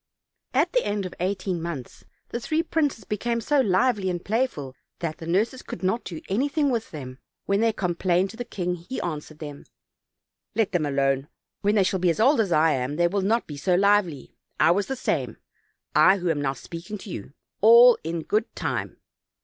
At the end of eighteen months the three princes be came so lively and playful that the nurses could not do anything with them. When they complained to the king he answered them: "Let them alone; when they shall be as old as I am they will not be so lively; I was the same, I who am now speaking to you. All in good time."